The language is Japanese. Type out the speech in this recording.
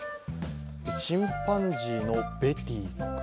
チンパンジーのベティ。